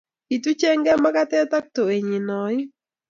Kituchekei makatet ak towenyi oin